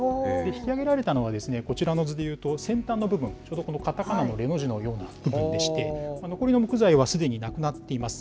引き揚げられたのは、こちらの図でいうと、先端の部分、ちょうど、このかたかなのレの字のような部分でして、残りの木材はすでになくなっています。